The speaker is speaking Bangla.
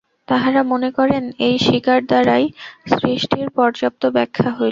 তাঁহারা মনে করেন, এই স্বীকার দ্বারাই সৃষ্টির পর্যাপ্ত ব্যাখ্যা হইল।